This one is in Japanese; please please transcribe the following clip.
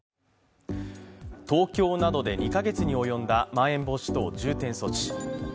東京などで２カ月に及んだ、まん延防止等重点措置。